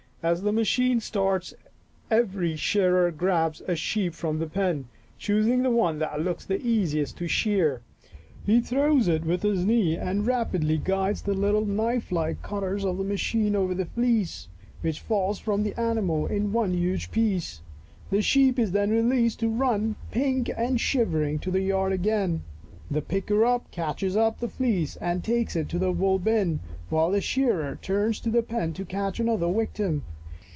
As the machine starts every shearer grabs a sheep from the pen, choosing the one that looks the easiest to shear, he throws it with his knee and rapidly guides the little knife like cutters of the machine over the fleece, which falls from the animal in one huge piece. The « Lost !" 69 sheep is then released to run, pink and shivering, to the yard again. The " picker up " catches up the fleece and takes it to the wool bin, while the shearer turns to the pen to catch another victim.